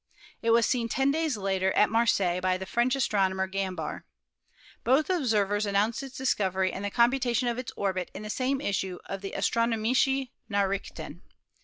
It was seen ten days later at Marseilles by the French astronomer Gambart. Both observers announced its discovery and the computation of its orbit in the same issue of the Astronomische Nachrichten.